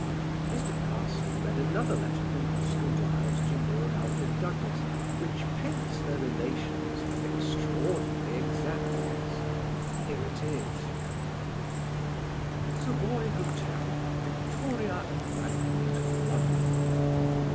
Mr. Carson read another letter from Oscar Wilde to Lord Alfred Douglas, which paints their relations with extraordinary exactness. Here it is: SAVOY HOTEL, VICTORIA EMBANKMENT, LONDON.